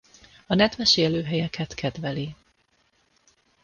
A nedves élőhelyeket kedveli.